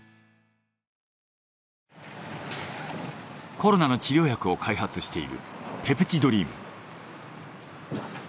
コロナの治療薬を開発しているペプチドリーム。